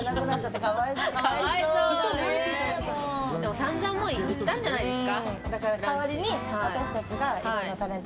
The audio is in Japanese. さんざん行ったんじゃないですか。